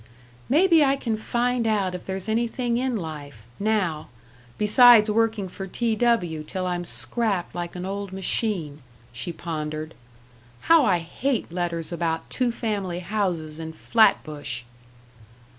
"Maybe I can find out if there's anything in life now besides working for T. W. till I'm scrapped like an old machine," she pondered. "How I hate letters about two family houses in Flatbush!"